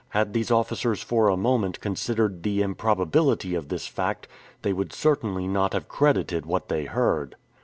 Had these officers for a moment considered the improbability of this fact, they would certainly not have credited what they heard.